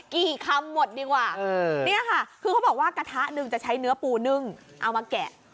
กี่คำหมดดีกว่านี่ค่ะคือเขาบอกว่ากระทะหนึ่งจะใช้เนื้อปูนึ่งเอามาแกะ